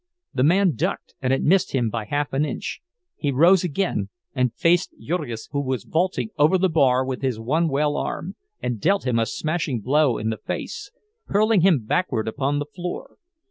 The man ducked, and it missed him by half an inch; he rose again and faced Jurgis, who was vaulting over the bar with his one well arm, and dealt him a smashing blow in the face, hurling him backward upon the floor.